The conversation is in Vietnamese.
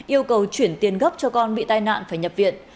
yêu cầu chuyển tiền gấp cho con bị tai nạn phải nhập viện